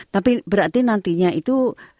tapi berarti nantinya itu